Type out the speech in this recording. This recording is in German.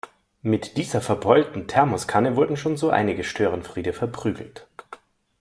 Mit dieser verbeulten Thermoskanne wurden schon so einige Störenfriede verprügelt.